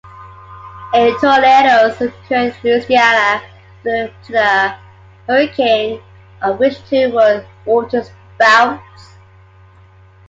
Eight tornadoes occurred in Louisiana due to the hurricane, of which two were waterspouts.